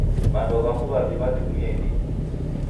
Mando ghamu w'avi w'atumia ndighi.